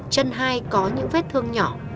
trân hai có những vết thương nhỏ